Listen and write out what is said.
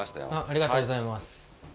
ありがとうございます。